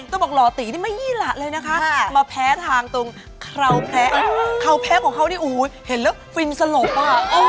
ต้องบอกหล่อตีนี่ไม่ยี่หละเลยนะคะมาแพ้ทางตรงเคราวแพ้เขาแพ้ของเขานี่โอ้โหเห็นแล้วฟินสลบอ่ะ